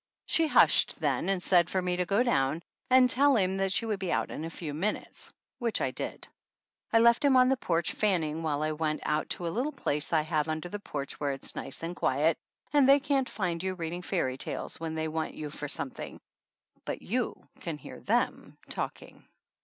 She hushed then and said for me to go down and tell him that she would be out in a few minutes, which I did. I left him on the porch fanning while I went out to a little place I have under the porch where it is nice and quiet and they can't find you reading fairy tales when they want you for something ; but you can hear them talking.